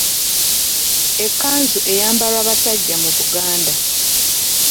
Ekkanzu eyambalwa basajja mu Buganda.